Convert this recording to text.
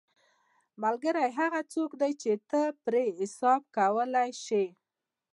ملګری هغه څوک دی چې ته پرې حساب کولی شې.